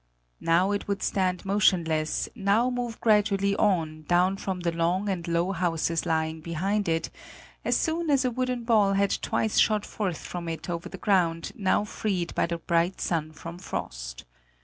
Now it would stand motionless, now move gradually on, down from the long and low houses lying behind if, as soon as a wooden ball had twice shot forth from it over the ground now freed by the bright sun from frost.